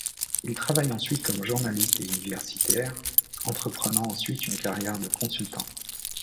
Il travaille ensuite comme journaliste et universitaire, entreprenant ensuite une carrière de consultant.